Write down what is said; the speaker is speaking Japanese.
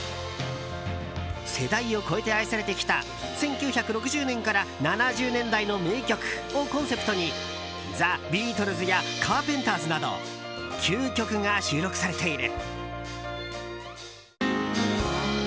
世代を超えて愛されてきた１９６０年から７０年代の名曲をコンセプトにザ・ビートルズやカーペンターズなど９曲が収録されている。